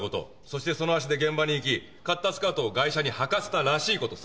そしてその足で現場に行き買ったスカートをガイシャに履かせたらしいこと。